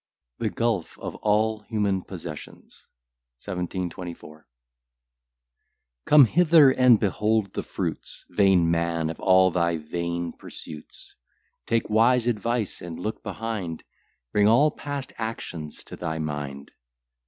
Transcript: THE GULF OF ALL HUMAN POSSESSIONS 1724 Come hither, and behold the fruits, Vain man! of all thy vain pursuits. Take wise advice, and look behind, Bring all past actions to thy mind.